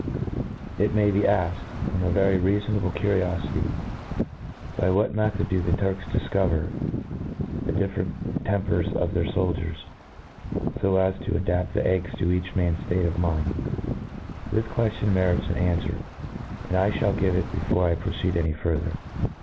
It may be alked, from a very reafonablecuri ofity, By what method do the Turks difcover the different tempers of their foldiers, fo as to adapt the eggs to each man's ftate of mind ? This queftion merits an anfwer, and I Ihall give it before I proceed any further.